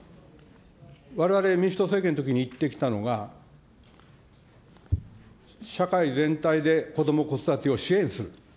われわれ民主党政権のときに言ってきたのが、社会全体でこども・子育てを支援する。